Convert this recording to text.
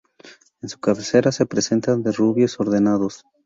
En su cabecera se presentan derrubios ordenados.